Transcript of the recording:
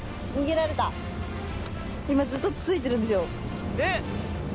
今ずっとつついてるんですよ。